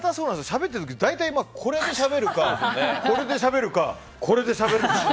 しゃべってる時大体、これでしゃべるかこれでしゃべるかこれでしゃべるんですよ。